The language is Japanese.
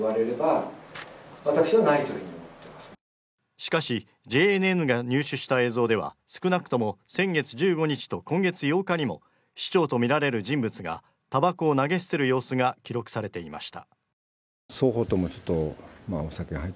しかしＪＮＮが入手した映像では少なくとも先月１５日と今月８日にも市長と見られる人物がタバコを投げ捨てる様子が記録されていました